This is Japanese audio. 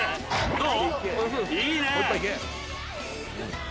どう？